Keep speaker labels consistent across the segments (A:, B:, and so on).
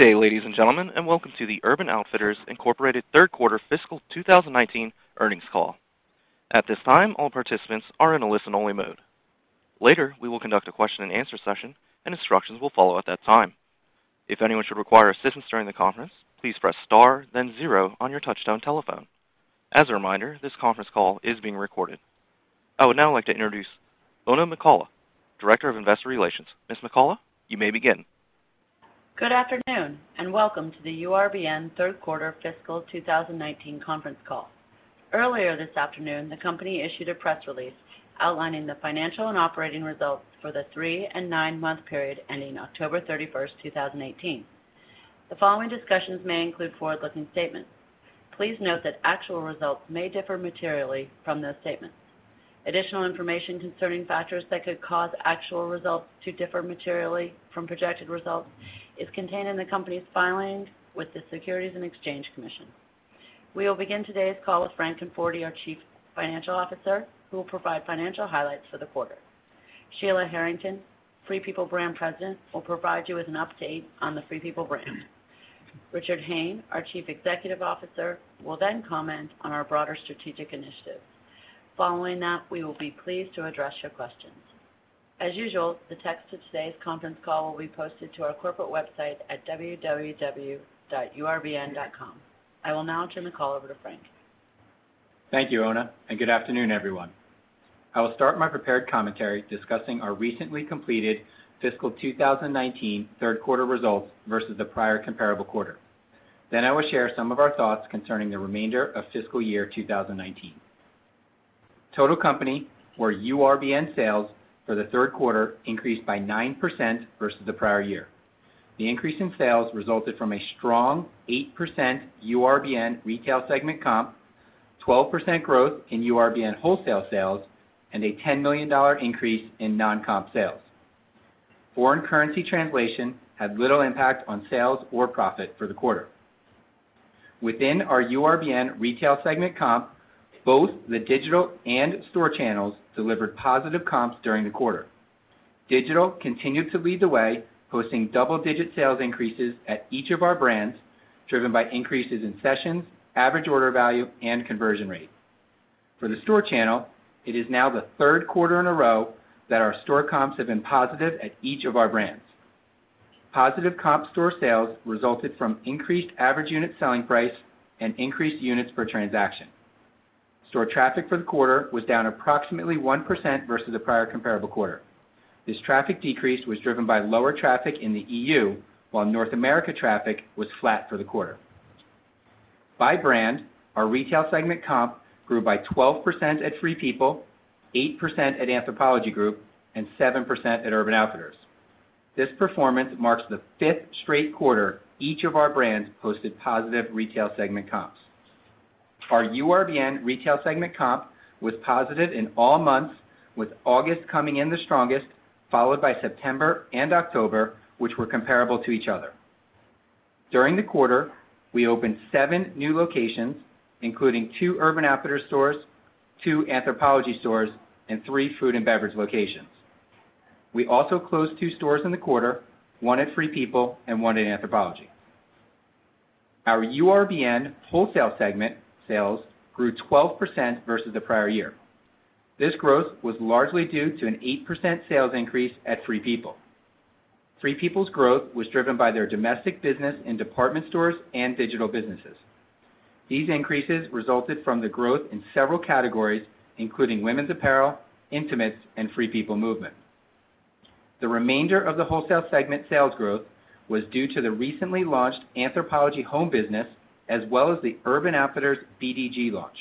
A: Good day, ladies and gentlemen, and welcome to the Urban Outfitters Incorporated third quarter fiscal 2019 earnings call. At this time, all participants are in a listen-only mode. Later, we will conduct a question-and-answer session, and instructions will follow at that time. If anyone should require assistance during the conference, please press star then zero on your touch-tone telephone. As a reminder, this conference call is being recorded. I would now like to introduce Oona McCullough, Director of Investor Relations. Ms. McCullough, you may begin.
B: Good afternoon, welcome to the URBN third quarter fiscal 2019 conference call. Earlier this afternoon, the company issued a press release outlining the financial and operating results for the three- and nine-month period ending October 31st, 2018. The following discussions may include forward-looking statements. Please note that actual results may differ materially from those statements. Additional information concerning factors that could cause actual results to differ materially from projected results is contained in the company's filings with the Securities and Exchange Commission. We will begin today's call with Frank Conforti, our Chief Financial Officer, who will provide financial highlights for the quarter. Sheila Harrington, Free People Brand President, will provide you with an update on the Free People brand. Richard Hayne, our Chief Executive Officer, will then comment on our broader strategic initiatives. Following that, we will be pleased to address your questions. As usual, the text of today's conference call will be posted to our corporate website at www.urbn.com. I will now turn the call over to Frank.
C: Thank you, Oona, good afternoon, everyone. I will start my prepared commentary discussing our recently completed fiscal 2019 third-quarter results versus the prior comparable quarter. I will share some of our thoughts concerning the remainder of fiscal year 2019. Total company or URBN sales for the third quarter increased by 9% versus the prior year. The increase in sales resulted from a strong 8% URBN retail segment comp, 12% growth in URBN wholesale sales, and a $10 million increase in non-comp sales. Foreign currency translation had little impact on sales or profit for the quarter. Within our URBN retail segment comp, both the digital and store channels delivered positive comps during the quarter. Digital continued to lead the way, posting double-digit sales increases at each of our brands, driven by increases in sessions, average order value, and conversion rate. For the store channel, it is now the third quarter in a row that our store comps have been positive at each of our brands. Positive comp store sales resulted from increased average unit selling price and increased units per transaction. Store traffic for the quarter was down approximately 1% versus the prior comparable quarter. This traffic decrease was driven by lower traffic in the EU, while North America traffic was flat for the quarter. By brand, our retail segment comp grew by 12% at Free People, 8% at Anthropologie Group, and 7% at Urban Outfitters. This performance marks the fifth straight quarter each of our brands posted positive retail segment comps. Our URBN retail segment comp was positive in all months, with August coming in the strongest, followed by September and October, which were comparable to each other. During the quarter, we opened seven new locations, including two Urban Outfitters stores, two Anthropologie stores, and three food and beverage locations. We also closed two stores in the quarter, one at Free People and one at Anthropologie. Our URBN wholesale segment sales grew 12% versus the prior year. This growth was largely due to an 8% sales increase at Free People. Free People's growth was driven by their domestic business in department stores and digital businesses. These increases resulted from the growth in several categories, including women's apparel, intimates, and FP Movement. The remainder of the wholesale segment sales growth was due to the recently launched Anthropologie home business as well as the Urban Outfitters BDG launch.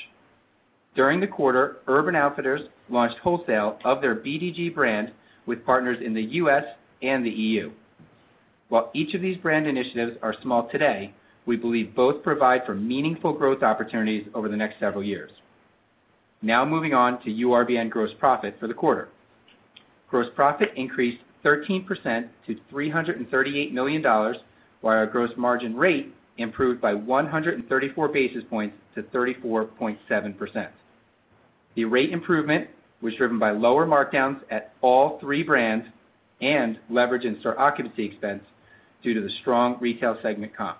C: During the quarter, Urban Outfitters launched wholesale of their BDG brand with partners in the U.S. and the EU. While each of these brand initiatives are small today, we believe both provide for meaningful growth opportunities over the next several years. Now moving on to URBN gross profit for the quarter. Gross profit increased 13% to $338 million, while our gross margin rate improved by 134 basis points to 34.7%. The rate improvement was driven by lower markdowns at all three brands and leverage in store occupancy expense due to the strong retail segment comp.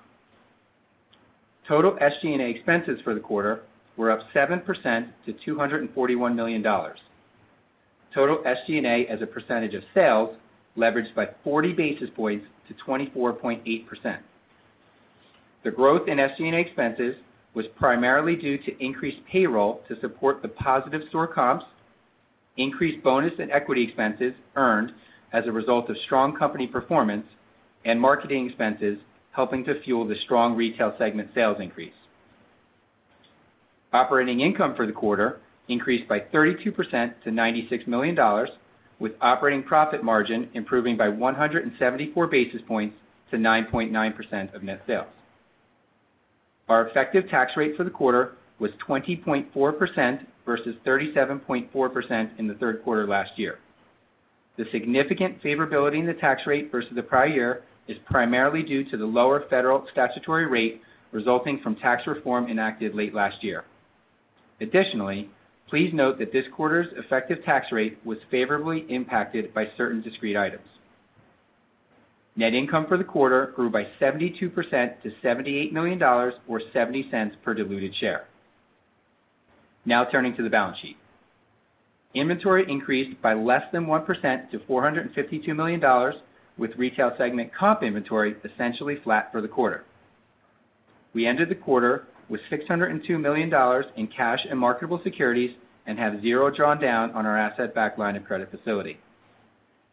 C: Total SG&A expenses for the quarter were up 7% to $241 million. Total SG&A as a percentage of sales leveraged by 40 basis points to 24.8%. The growth in SG&A expenses was primarily due to increased payroll to support the positive store comps, increased bonus and equity expenses earned as a result of strong company performance, and marketing expenses helping to fuel the strong retail segment sales increase. Operating income for the quarter increased by 32% to $96 million, with operating profit margin improving by 174 basis points to 9.9% of net sales. Our effective tax rate for the quarter was 20.4% versus 37.4% in the third quarter last year. The significant favorability in the tax rate versus the prior year is primarily due to the lower federal statutory rate resulting from tax reform enacted late last year. Please note that this quarter's effective tax rate was favorably impacted by certain discrete items. Net income for the quarter grew by 72% to $78 million, or $0.70 per diluted share. Now turning to the balance sheet. Inventory increased by less than 1% to $452 million, with retail segment comp inventory essentially flat for the quarter. We ended the quarter with $602 million in cash and marketable securities and have zero drawn down on our asset-backed line of credit facility.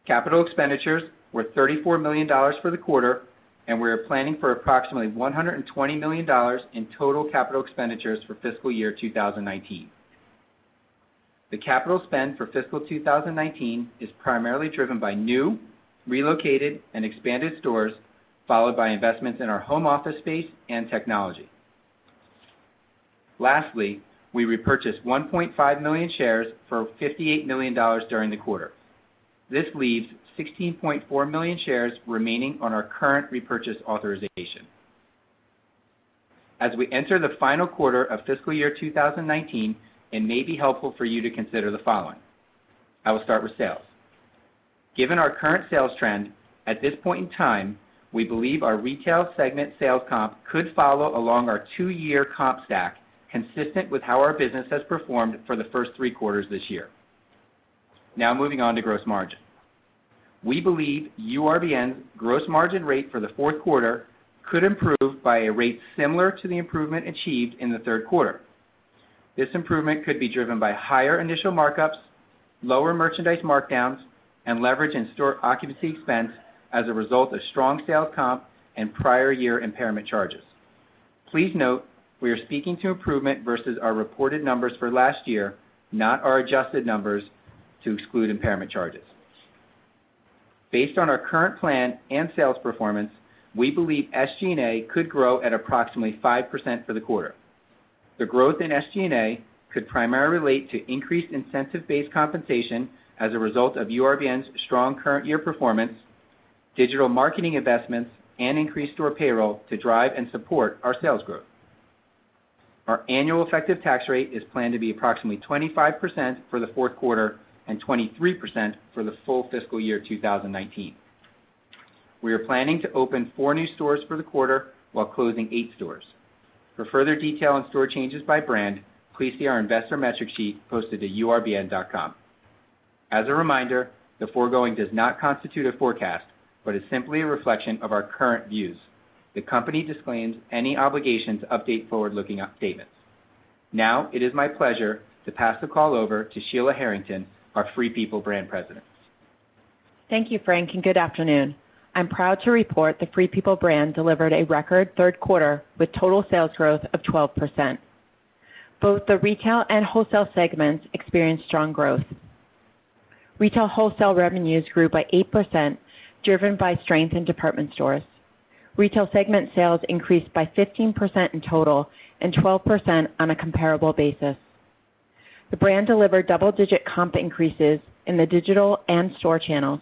C: Capital expenditures were $34 million for the quarter, and we are planning for approximately $120 million in total capital expenditures for fiscal year 2019. The capital spend for fiscal 2019 is primarily driven by new, relocated, and expanded stores, followed by investments in our home office space and technology. Lastly, we repurchased 1.5 million shares for $58 million during the quarter. This leaves 16.4 million shares remaining on our current repurchase authorization. As we enter the final quarter of fiscal year 2019, it may be helpful for you to consider the following. I will start with sales. Given our current sales trend, at this point in time, we believe our retail segment sales comp could follow along our two-year comp stack, consistent with how our business has performed for the first three quarters this year. Moving on to gross margin. We believe URBN's gross margin rate for the fourth quarter could improve by a rate similar to the improvement achieved in the third quarter. This improvement could be driven by higher initial markups, lower merchandise markdowns, and leverage in store occupancy expense as a result of strong sale comp and prior year impairment charges. Please note, we are speaking to improvement versus our reported numbers for last year, not our adjusted numbers to exclude impairment charges. Based on our current plan and sales performance, we believe SG&A could grow at approximately 5% for the quarter. The growth in SG&A could primarily relate to increased incentive-based compensation as a result of URBN's strong current year performance, digital marketing investments, and increased store payroll to drive and support our sales growth. Our annual effective tax rate is planned to be approximately 25% for the fourth quarter and 23% for the full fiscal year 2019. We are planning to open four new stores for the quarter while closing eight stores. For further detail on store changes by brand, please see our investor metric sheet posted to urbn.com. As a reminder, the foregoing does not constitute a forecast, but is simply a reflection of our current views. The company disclaims any obligation to update forward-looking statements. It is my pleasure to pass the call over to Sheila Harrington, our Free People brand president.
D: Thank you, Frank, good afternoon. I'm proud to report the Free People brand delivered a record third quarter with total sales growth of 12%. Both the retail and wholesale segments experienced strong growth. Retail wholesale revenues grew by 8%, driven by strength in department stores. Retail segment sales increased by 15% in total and 12% on a comparable basis. The brand delivered double-digit comp increases in the digital and store channels.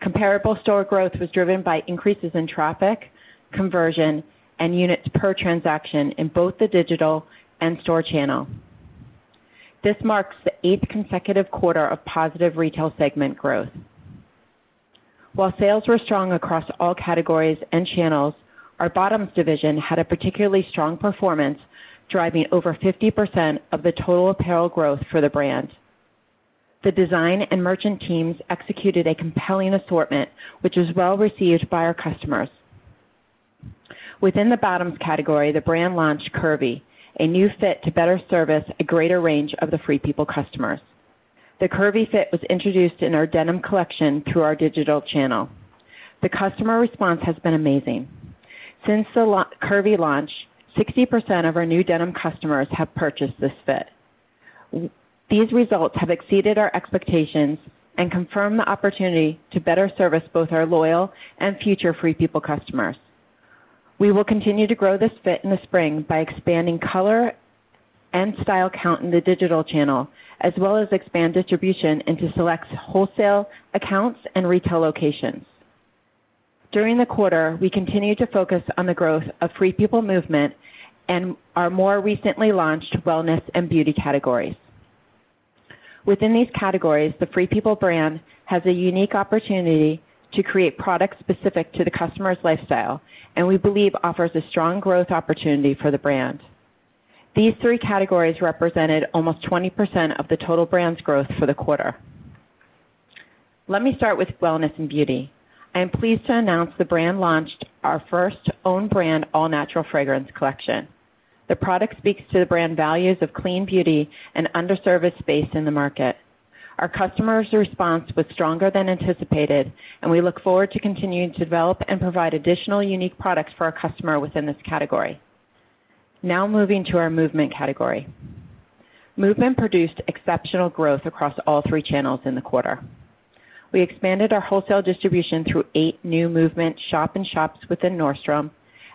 D: Comparable store growth was driven by increases in traffic, conversion, and units per transaction in both the digital and store channel. This marks the eighth consecutive quarter of positive retail segment growth. While sales were strong across all categories and channels, our bottoms division had a particularly strong performance, driving over 50% of the total apparel growth for the brand. The design and merchant teams executed a compelling assortment, which was well received by our customers. Within the bottoms category, the brand launched CRVY, a new fit to better service a greater range of the Free People customers. The CRVY fit was introduced in our denim collection through our digital channel. The customer response has been amazing. Since the CRVY launch, 60% of our new denim customers have purchased this fit. These results have exceeded our expectations and confirm the opportunity to better service both our loyal and future Free People customers. We will continue to grow this fit in the spring by expanding color and style count in the digital channel, as well as expand distribution into select wholesale accounts and retail locations. During the quarter, we continued to focus on the growth of FP Movement and our more recently launched wellness and beauty categories. Within these categories, the Free People brand has a unique opportunity to create products specific to the customer's lifestyle and we believe offers a strong growth opportunity for the brand. These three categories represented almost 20% of the total brand's growth for the quarter. Let me start with wellness and beauty. I am pleased to announce the brand launched our first own brand, all-natural fragrance collection. The product speaks to the brand values of clean beauty and under-serviced space in the market. Our customers' response was stronger than anticipated, and we look forward to continuing to develop and provide additional unique products for our customer within this category. Now moving to our FP Movement category. FP Movement produced exceptional growth across all three channels in the quarter. We expanded our wholesale distribution through eight new FP Movement shop-in-shops within Nordstrom,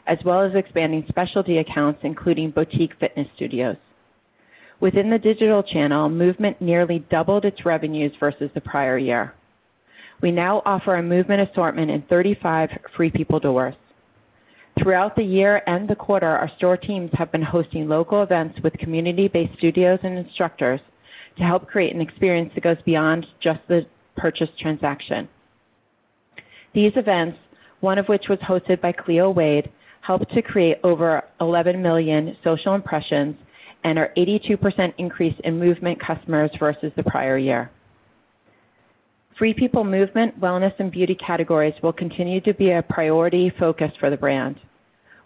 D: as well as expanding specialty accounts, including boutique fitness studios. Within the digital channel, FP Movement nearly doubled its revenues versus the prior year. We now offer an FP Movement assortment in 35 Free People doors. Throughout the year and the quarter, our store teams have been hosting local events with community-based studios and instructors to help create an experience that goes beyond just the purchase transaction. These events, one of which was hosted by Cleo Wade, helped to create over 11 million social impressions and an 82% increase in FP Movement customers versus the prior year. FP Movement, wellness, and beauty categories will continue to be a priority focus for the brand.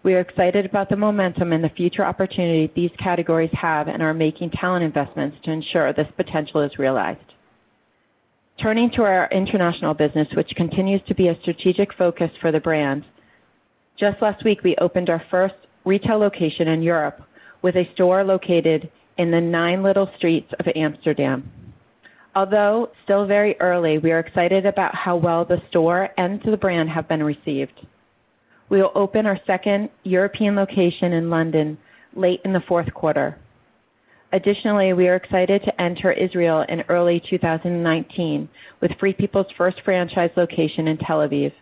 D: We are excited about the momentum and the future opportunity these categories have and are making talent investments to ensure this potential is realized. Turning to our international business, which continues to be a strategic focus for the brand. Just last week, we opened our first retail location in Europe with a store located in the Nine Little Streets of Amsterdam. Although still very early, we are excited about how well the store and the brand have been received. We will open our second European location in London late in the fourth quarter. Additionally, we are excited to enter Israel in early 2019 with Free People's first franchise location in Tel Aviv.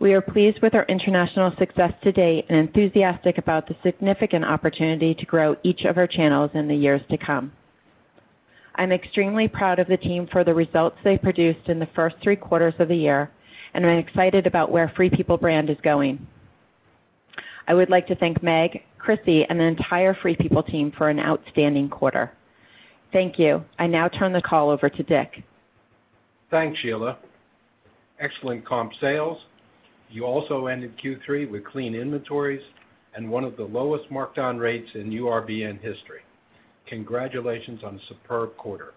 D: We are pleased with our international success to date and enthusiastic about the significant opportunity to grow each of our channels in the years to come. I'm extremely proud of the team for the results they produced in the first three quarters of the year, and I'm excited about where Free People brand is going. I would like to thank Meg, Krissy, and the entire Free People team for an outstanding quarter. Thank you. I now turn the call over to Dick.
E: Thanks, Sheila. Excellent comp sales. You also ended Q3 with clean inventories and one of the lowest markdown rates in URBN history. Congratulations on a superb quarter.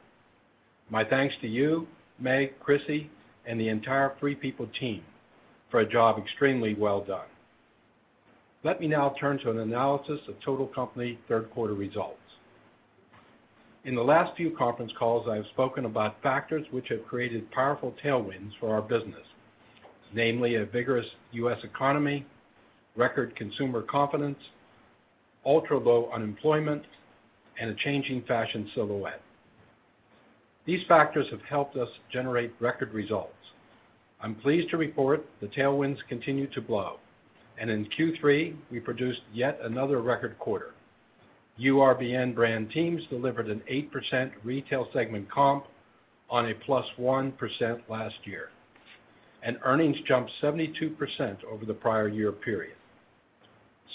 E: My thanks to you, Meg, Krissy, and the entire Free People team for a job extremely well done. Let me now turn to an analysis of total company third quarter results. In the last few conference calls, I have spoken about factors which have created powerful tailwinds for our business, namely a vigorous U.S. economy, record consumer confidence, ultra-low unemployment, and a changing fashion silhouette. These factors have helped us generate record results. I'm pleased to report the tailwinds continue to blow, and in Q3, we produced yet another record quarter. URBN brand teams delivered an 8% retail segment comp on a +1% last year, and earnings jumped 72% over the prior year period.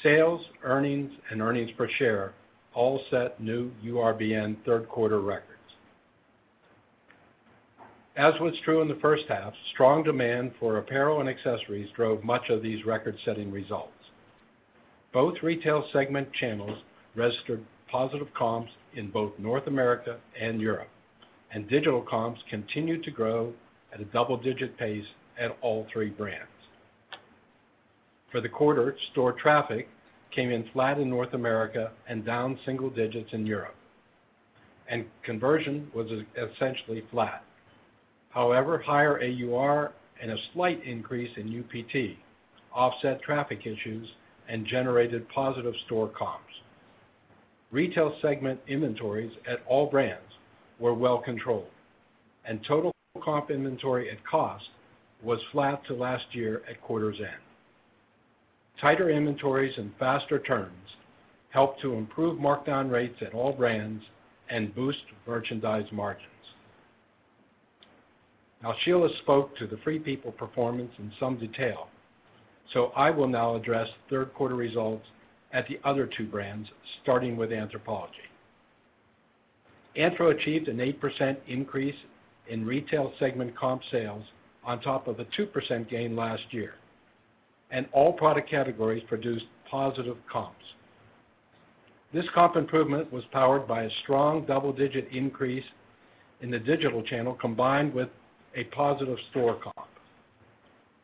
E: Sales, earnings, and earnings per share all set new URBN third quarter records. As was true in the first half, strong demand for apparel and accessories drove much of these record-setting results. Both retail segment channels registered positive comps in both North America and Europe, and digital comps continued to grow at a double-digit pace at all three brands. For the quarter, store traffic came in flat in North America and down single digits in Europe, and conversion was essentially flat. However, higher AUR and a slight increase in UPT offset traffic issues and generated positive store comps. Retail segment inventories at all brands were well controlled, and total comp inventory at cost was flat to last year at quarter's end. Tighter inventories and faster turns helped to improve markdown rates at all brands and boost merchandise margins. Sheila spoke to the Free People performance in some detail. I will now address third quarter results at the other two brands, starting with Anthropologie. Anthro achieved an 8% increase in retail segment comp sales on top of a 2% gain last year, and all product categories produced positive comps. This comp improvement was powered by a strong double-digit increase in the digital channel, combined with a positive store comp.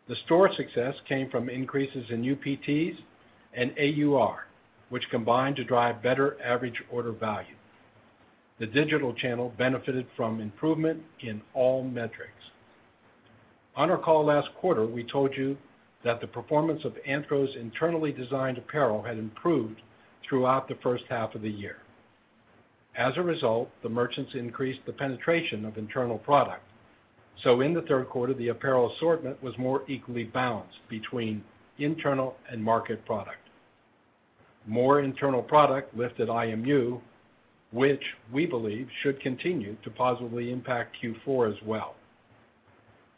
E: The store success came from increases in UPTs and AUR, which combined to drive better average order value. The digital channel benefited from improvement in all metrics. On our call last quarter, we told you that the performance of Anthro's internally designed apparel had improved throughout the first half of the year. The merchants increased the penetration of internal product. In the third quarter, the apparel assortment was more equally balanced between internal and market product. More internal product lifted IMU, which we believe should continue to positively impact Q4 as well.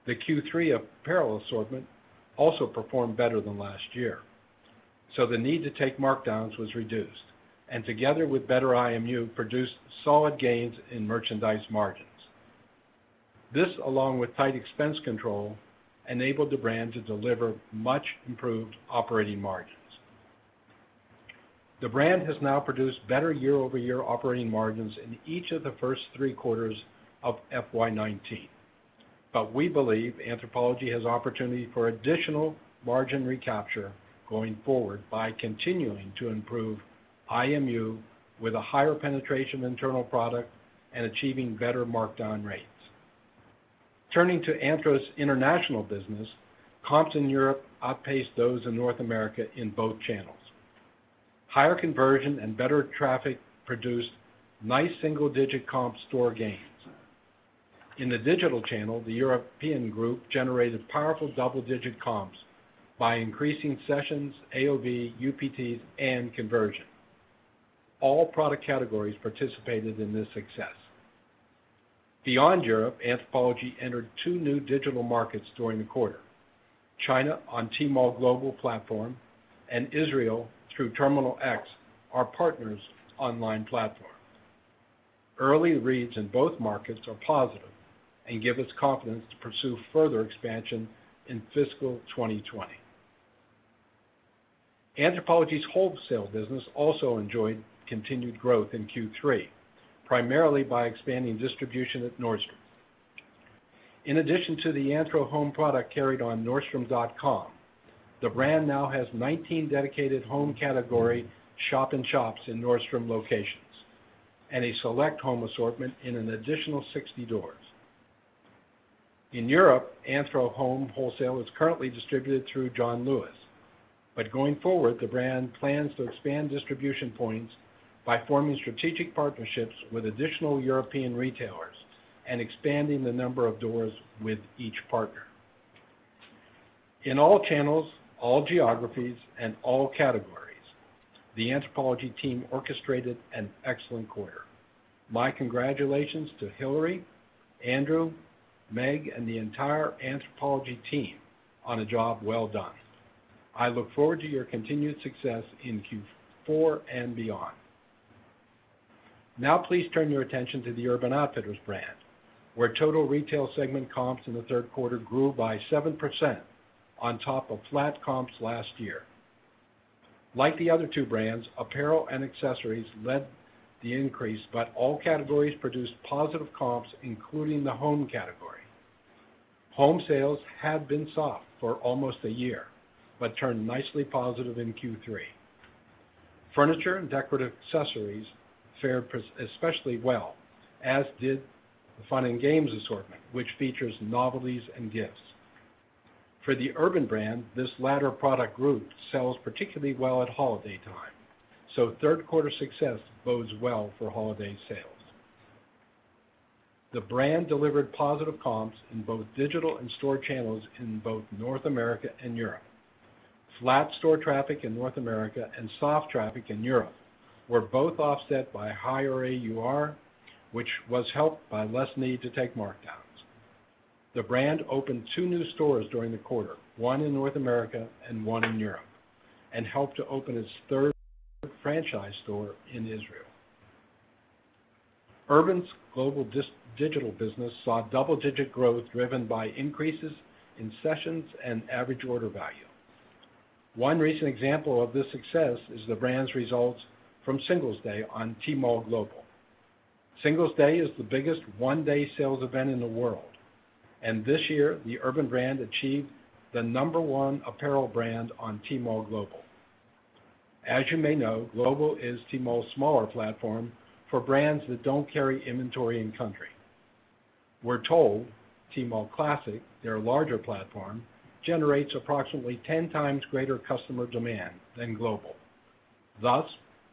E: The Q3 apparel assortment also performed better than last year, the need to take markdowns was reduced and together with better IMU, produced solid gains in merchandise margins. This, along with tight expense control, enabled the brand to deliver much improved operating margins. The brand has now produced better year-over-year operating margins in each of the first three quarters of FY 2019. We believe Anthropologie has opportunity for additional margin recapture going forward by continuing to improve IMU with a higher penetration of internal product and achieving better markdown rates. Turning to Anthro's international business, comps in Europe outpaced those in North America in both channels. Higher conversion and better traffic produced nice single-digit comp store gains. In the digital channel, the European group generated powerful double-digit comps by increasing sessions, AOV, UPTs, and conversion. All product categories participated in this success. Beyond Europe, Anthropologie entered two new digital markets during the quarter: China on Tmall Global platform and Israel through Terminal X, our partners' online platform. Early reads in both markets are positive and give us confidence to pursue further expansion in fiscal 2020. Anthropologie's wholesale business also enjoyed continued growth in Q3, primarily by expanding distribution at Nordstrom. In addition to the AnthroHome product carried on nordstrom.com, the brand now has 19 dedicated home category shop in shops in Nordstrom locations and a select home assortment in an additional 60 doors. In Europe, AnthroHome wholesale is currently distributed through John Lewis. Going forward, the brand plans to expand distribution points by forming strategic partnerships with additional European retailers and expanding the number of doors with each partner. In all channels, all geographies, and all categories, the Anthropologie team orchestrated an excellent quarter. My congratulations to Hillary, Andrew, Meg, and the entire Anthropologie team on a job well done. I look forward to your continued success in Q4 and beyond. Please turn your attention to the Urban Outfitters brand, where total retail segment comps in the third quarter grew by 7% on top of flat comps last year. Like the other two brands, apparel and accessories led the increase, but all categories produced positive comps, including the home category. Home sales had been soft for almost a year, but turned nicely positive in Q3. Furniture and decorative accessories fared especially well, as did the Fun and Games assortment, which features novelties and gifts. For the Urban brand, this latter product group sells particularly well at holiday time, third-quarter success bodes well for holiday sales. The brand delivered positive comps in both digital and store channels in both North America and Europe. Flat store traffic in North America and soft traffic in Europe were both offset by higher AUR, which was helped by less need to take markdowns. The brand opened two new stores during the quarter, one in North America and one in Europe, and helped to open its third franchise store in Israel. Urban's global digital business saw double-digit growth driven by increases in sessions and average order value. One recent example of this success is the brand's results from Singles Day on Tmall Global. Singles Day is the biggest one-day sales event in the world. This year, the Urban brand achieved the number one apparel brand on Tmall Global. As you may know, Global is Tmall's smaller platform for brands that don't carry inventory in-country. We're told Tmall Classic, their larger platform, generates approximately 10 times greater customer demand than Global.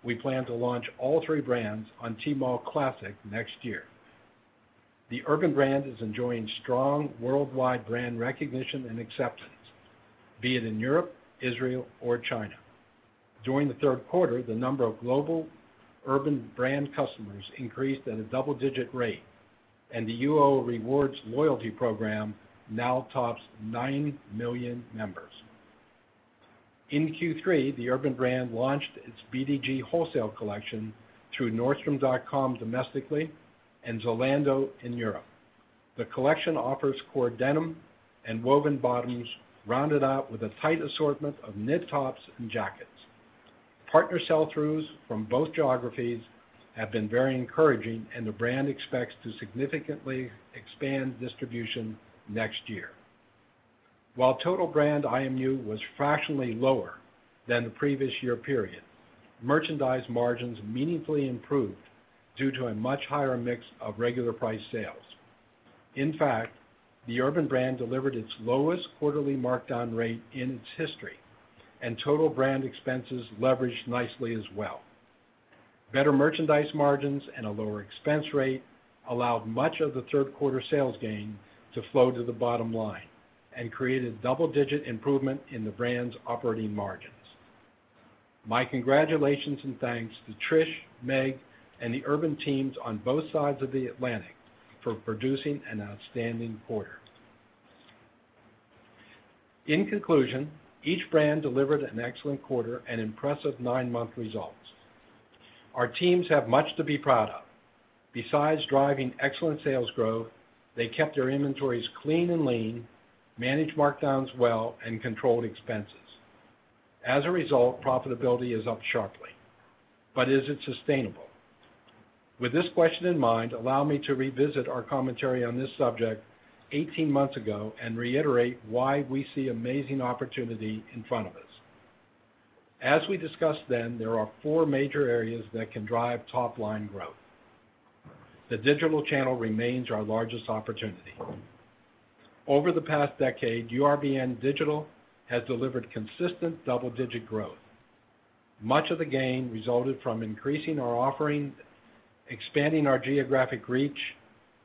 E: We plan to launch all three brands on Tmall Classic next year. The Urban brand is enjoying strong worldwide brand recognition and acceptance, be it in Europe, Israel, or China. During the third quarter, the number of global Urban brand customers increased at a double-digit rate, and the UO Rewards loyalty program now tops nine million members. In Q3, the Urban brand launched its BDG wholesale collection through Nordstrom.com domestically and Zalando in Europe. The collection offers core denim and woven bottoms, rounded out with a tight assortment of knit tops and jackets. The brand expects to significantly expand distribution next year. While total brand IMU was fractionally lower than the previous year period, merchandise margins meaningfully improved due to a much higher mix of regular price sales. The Urban brand delivered its lowest quarterly markdown rate in its history, and total brand expenses leveraged nicely as well. Better merchandise margins and a lower expense rate allowed much of the third-quarter sales gain to flow to the bottom line and created double-digit improvement in the brand's operating margins. My congratulations and thanks to Trish, Meg, and the Urban teams on both sides of the Atlantic for producing an outstanding quarter. In conclusion, each brand delivered an excellent quarter and impressive nine-month results. Our teams have much to be proud of. Besides driving excellent sales growth, they kept their inventories clean and lean, managed markdowns well, and controlled expenses. As a result, profitability is up sharply. Is it sustainable? With this question in mind, allow me to revisit our commentary on this subject 18 months ago and reiterate why we see amazing opportunity in front of us. As we discussed then, there are four major areas that can drive top-line growth. The digital channel remains our largest opportunity. Over the past decade, URBN digital has delivered consistent double-digit growth. Much of the gain resulted from increasing our offerings, expanding our geographic reach,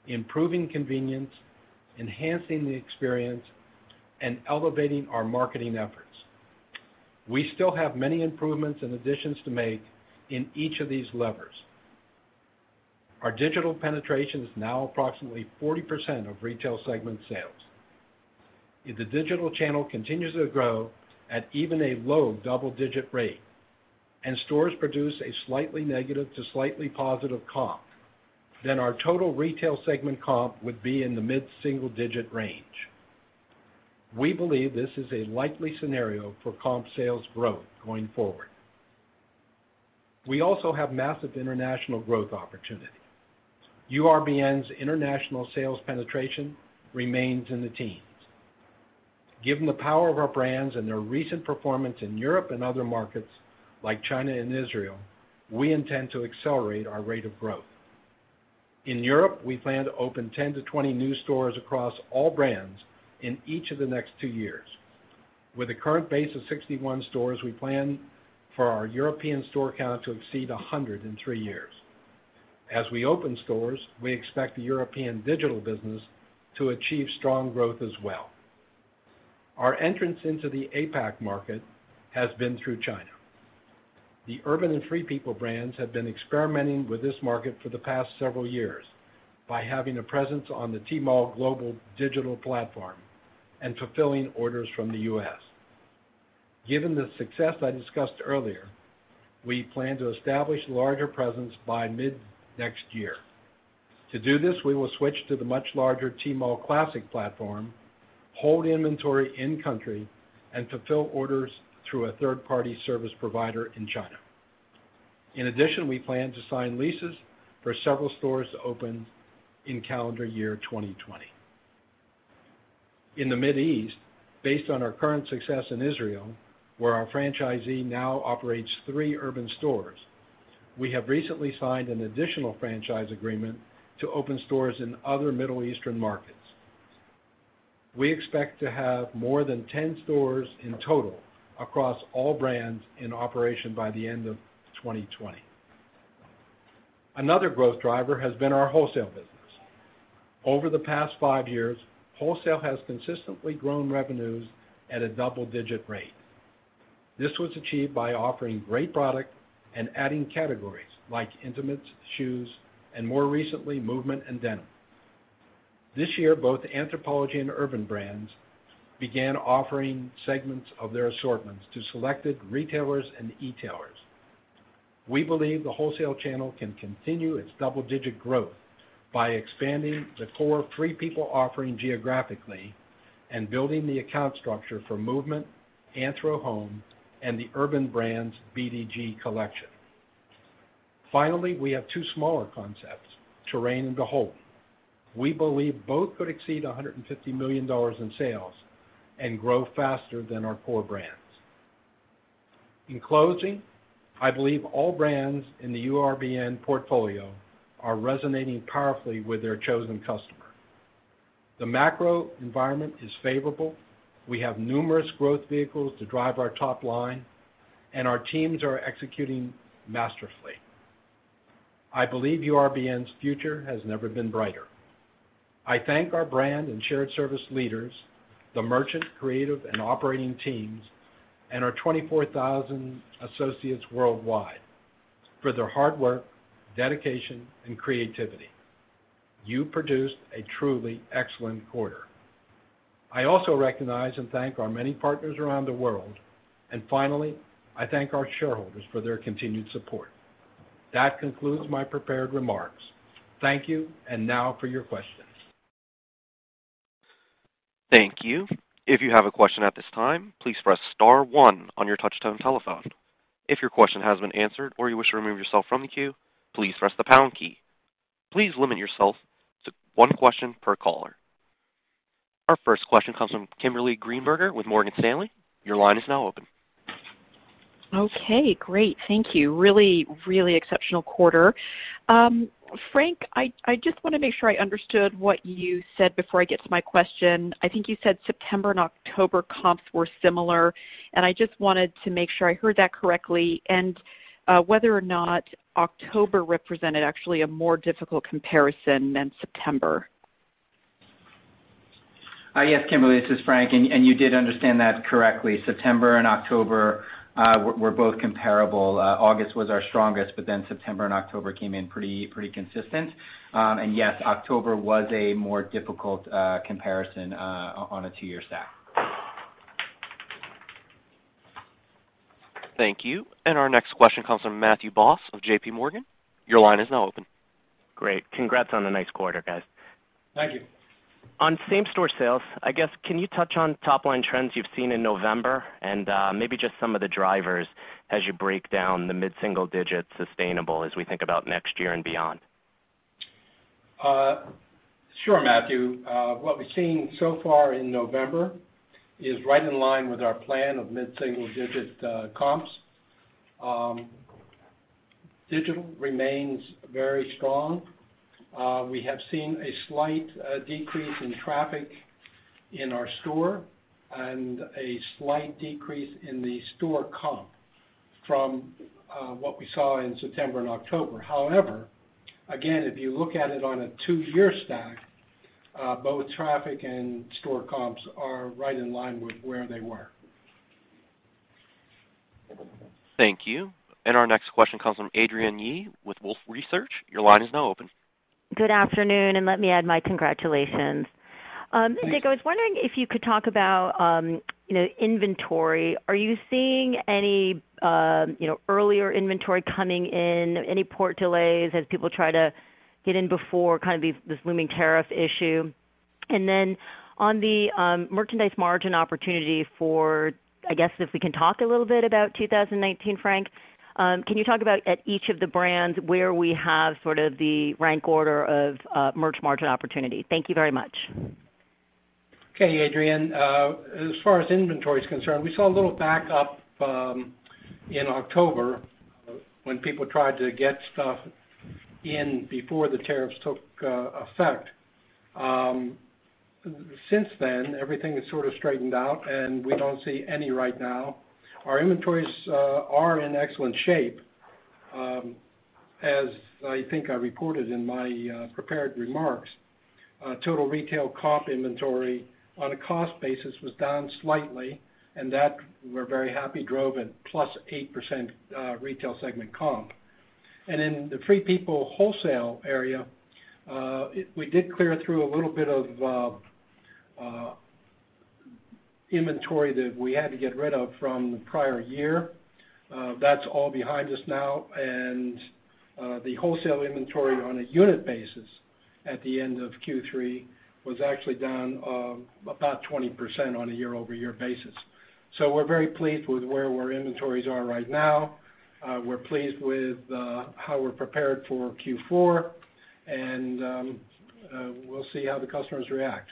E: improving convenience, enhancing the experience, and elevating our marketing efforts. We still have many improvements and additions to make in each of these levers. Our digital penetration is now approximately 40% of retail segment sales. If the digital channel continues to grow at even a low double-digit rate, and stores produce a slightly negative to slightly positive comp, then our total retail segment comp would be in the mid-single digit range. We believe this is a likely scenario for comp sales growth going forward. We also have massive international growth opportunity. URBN's international sales penetration remains in the teens. Given the power of our brands and their recent performance in Europe and other markets like China and Israel, we intend to accelerate our rate of growth. In Europe, we plan to open 10 to 20 new stores across all brands in each of the next two years. With a current base of 61 stores, we plan for our European store count to exceed 100 in three years. As we open stores, we expect the European digital business to achieve strong growth as well. Our entrance into the APAC market has been through China. The Urban and Free People brands have been experimenting with this market for the past several years by having a presence on the Tmall Global digital platform and fulfilling orders from the U.S. Given the success I discussed earlier, we plan to establish larger presence by mid-next year. To do this, we will switch to the much larger Tmall Classic platform, hold inventory in-country, and fulfill orders through a third-party service provider in China. In addition, we plan to sign leases for several stores to open in calendar year 2020. In the Middle East, based on our current success in Israel, where our franchisee now operates three Urban stores, we have recently signed an additional franchise agreement to open stores in other Middle Eastern markets. We expect to have more than 10 stores in total across all brands in operation by the end of 2020. Another growth driver has been our wholesale business. Over the past five years, wholesale has consistently grown revenues at a double-digit rate. This was achieved by offering great product and adding categories like intimates, shoes, and more recently, FP Movement and denim. This year, both Anthropologie and Urban brands began offering segments of their assortments to selected retailers and e-tailers. We believe the wholesale channel can continue its double-digit growth by expanding the core Free People offering geographically and building the account structure for FP Movement, AnthroHome, and the Urban brands' BDG collection. Finally, we have two smaller concepts, Terrain and BHLDN. We believe both could exceed $150 million in sales and grow faster than our core brands. In closing, I believe all brands in the URBN portfolio are resonating powerfully with their chosen customer. The macro environment is favorable. We have numerous growth vehicles to drive our top line. Our teams are executing masterfully. I believe URBN's future has never been brighter. I thank our brand and shared service leaders, the merchant, creative, and operating teams, and our 24,000 associates worldwide for their hard work, dedication, and creativity. You produced a truly excellent quarter. I also recognize and thank our many partners around the world. Finally, I thank our shareholders for their continued support. That concludes my prepared remarks. Thank you. Now for your questions.
A: Thank you. If you have a question at this time, please press *1 on your touch-tone telephone. If your question has been answered or you wish to remove yourself from the queue, please press the # key. Please limit yourself to one question per caller. Our first question comes from Kimberly Greenberger with Morgan Stanley. Your line is now open.
F: Okay, great. Thank you. Really exceptional quarter. Frank, I just want to make sure I understood what you said before I get to my question. I think you said September and October comps were similar, and I just wanted to make sure I heard that correctly, and whether or not October represented actually a more difficult comparison than September.
C: Yes, Kimberly, this is Frank. You did understand that correctly. September and October were both comparable. August was our strongest. September and October came in pretty consistent. Yes, October was a more difficult comparison on a two-year stack.
A: Thank you. Our next question comes from Matthew Boss of J.P. Morgan. Your line is now open.
G: Great. Congrats on a nice quarter, guys.
E: Thank you.
G: On same-store sales, I guess, can you touch on top line trends you've seen in November and maybe just some of the drivers as you break down the mid-single digits sustainable as we think about next year and beyond?
E: Sure, Matthew. What we've seen so far in November is right in line with our plan of mid-single digit comps. Digital remains very strong. We have seen a slight decrease in traffic in our store and a slight decrease in the store comp from what we saw in September and October. However, again, if you look at it on a two-year stack, both traffic and store comps are right in line with where they were.
A: Thank you. Our next question comes from Adrienne Yih with Wolfe Research. Your line is now open.
H: Good afternoon, and let me add my congratulations.
E: Thanks.
H: Dick, I was wondering if you could talk about inventory. Are you seeing any earlier inventory coming in, any port delays as people try to get in before this looming tariff issue? On the merchandise margin opportunity for, I guess, if we can talk a little bit about 2019, Frank, can you talk about at each of the brands where we have sort of the rank order of merch margin opportunity? Thank you very much.
E: Okay, Adrienne. As far as inventory is concerned, we saw a little backup in October when people tried to get stuff in before the tariffs took effect. Since then, everything has sort of straightened out, and we don't see any right now. Our inventories are in excellent shape. As I think I reported in my prepared remarks, total retail comp inventory on a cost basis was down slightly, and that, we're very happy, drove a +8% retail segment comp. In the Free People wholesale area, we did clear through a little bit of inventory that we had to get rid of from the prior year. That's all behind us now, and the wholesale inventory on a unit basis at the end of Q3 was actually down about 20% on a year-over-year basis. We're very pleased with where our inventories are right now. We're pleased with how we're prepared for Q4, and we'll see how the customers react.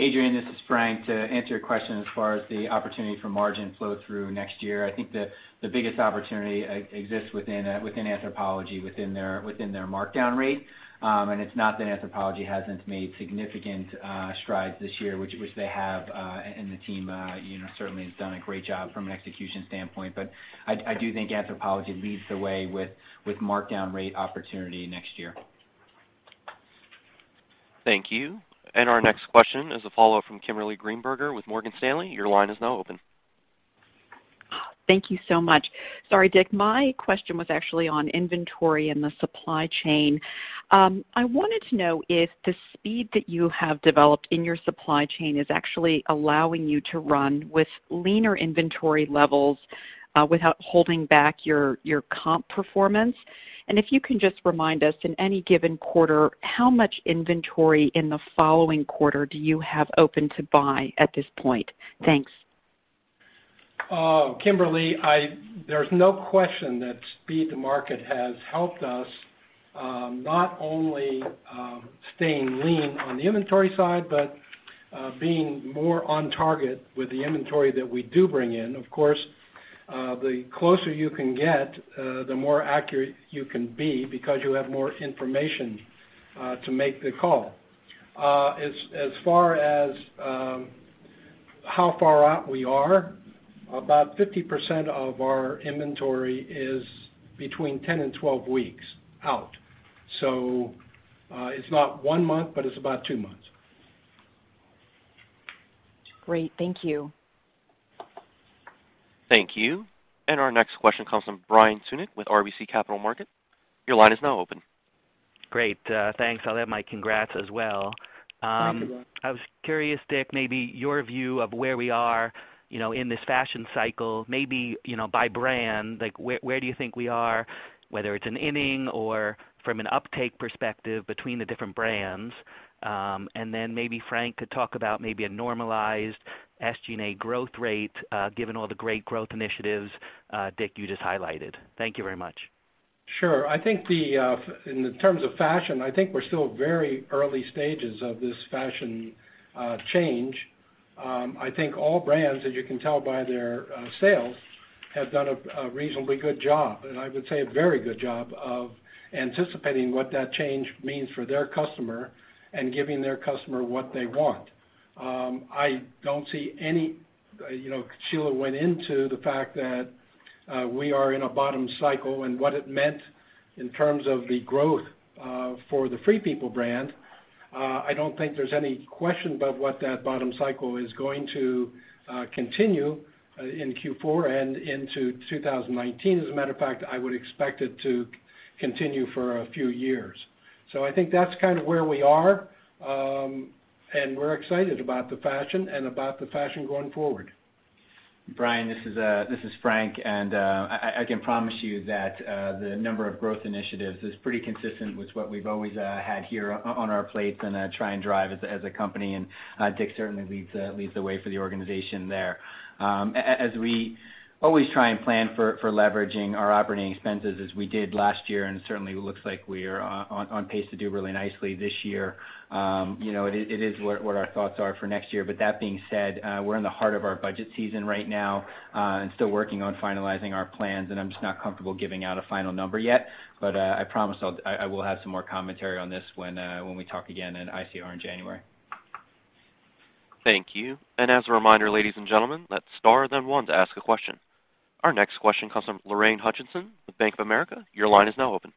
C: Adrienne, this is Frank. To answer your question as far as the opportunity for margin flow through next year, I think the biggest opportunity exists within Anthropologie, within their markdown rate. It's not that Anthropologie hasn't made significant strides this year, which they have, and the team certainly has done a great job from an execution standpoint. I do think Anthropologie leads the way with markdown rate opportunity next year.
A: Thank you. Our next question is a follow-up from Kimberly Greenberger with Morgan Stanley. Your line is now open.
F: Thank you so much. Sorry, Dick. My question was actually on inventory and the supply chain. I wanted to know if the speed that you have developed in your supply chain is actually allowing you to run with leaner inventory levels without holding back your comp performance. If you can just remind us, in any given quarter, how much inventory in the following quarter do you have open to buy at this point? Thanks.
E: Kimberly, there's no question that speed to market has helped us, not only staying lean on the inventory side, but being more on target with the inventory that we do bring in. Of course, the closer you can get, the more accurate you can be because you have more information to make the call. As far as how far out we are, about 50% of our inventory is between 10 and 12 weeks out. It's not one month, but it's about two months.
F: Great. Thank you.
A: Thank you. Our next question comes from Brian Tunick with RBC Capital Markets. Your line is now open.
I: Great. Thanks. I'll add my congrats as well.
E: Thank you, Brian.
I: I was curious, Dick, maybe your view of where we are in this fashion cycle, maybe by brand. Where do you think we are, whether it's an inning or from an uptake perspective between the different brands? Then maybe Frank could talk about maybe a normalized SG&A growth rate, given all the great growth initiatives, Dick, you just highlighted. Thank you very much.
E: Sure. I think in terms of fashion, I think we're still very early stages of this fashion change. I think all brands, as you can tell by their sales, have done a reasonably good job, and I would say a very good job of anticipating what that change means for their customer and giving their customer what they want. Sheila went into the fact that we are in a bottom cycle and what it meant in terms of the growth for the Free People brand. I don't think there's any question about what that bottom cycle is going to continue in Q4 and into 2019. As a matter of fact, I would expect it to continue for a few years. I think that's kind of where we are, and we're excited about the fashion and about the fashion going forward.
C: Brian, this is Frank, I can promise you that the number of growth initiatives is pretty consistent with what we've always had here on our plate and try and drive as a company, and Dick certainly leads the way for the organization there. We always try and plan for leveraging our operating expenses as we did last year, it certainly looks like we are on pace to do really nicely this year. It is what our thoughts are for next year. That being said, we're in the heart of our budget season right now and still working on finalizing our plans, I'm just not comfortable giving out a final number yet. I promise I will have some more commentary on this when we talk again at ICR in January.
A: Thank you. As a reminder, ladies and gentlemen, let's star 1 to ask a question. Our next question comes from Lorraine Hutchinson with Bank of America. Your line is now open.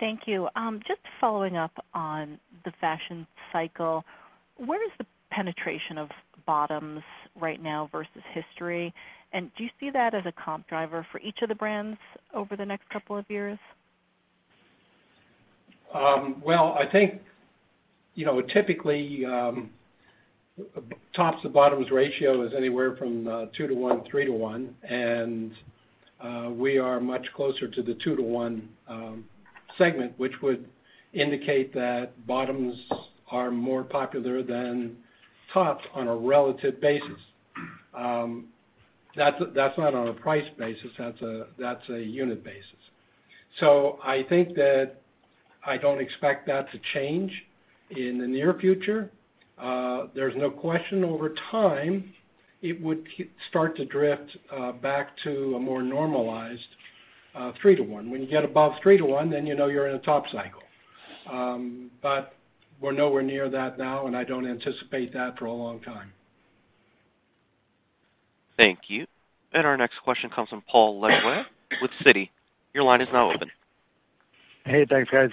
J: Thank you. Just following up on the fashion cycle, where is the penetration of bottoms right now versus history? Do you see that as a comp driver for each of the brands over the next couple of years?
E: Well, I think, typically, tops to bottoms ratio is anywhere from 2 to 1, 3 to 1, and we are much closer to the 2 to 1 segment, which would indicate that bottoms are more popular than tops on a relative basis. That's not on a price basis, that's a unit basis. I think that I don't expect that to change in the near future. There's no question, over time, it would start to drift back to a more normalized 3 to 1. When you get above 3 to 1, then you know you're in a top cycle. We're nowhere near that now, and I don't anticipate that for a long time.
A: Thank you. Our next question comes from Paul Lejuez with Citi. Your line is now open.
K: Hey, thanks guys.